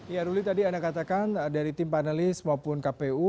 ya ruli tadi anda katakan dari tim panelis maupun kpu